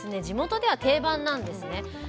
地元では定番なんですね。